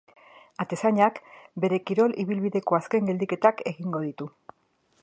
Atezainak bere kirol ibilbideko azken geldiketak egingo ditu.